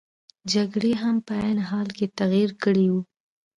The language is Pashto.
جګړې هم په عین حال کې تغیر کړی وو.